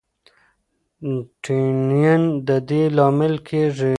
ټینین د دې لامل کېږي.